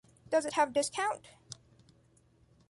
Does it have discount?